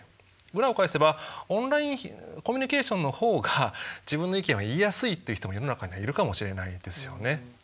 裏を返せばオンラインコミュニケーションの方が自分の意見は言いやすいっていう人も世の中にはいるかもしれないですよね。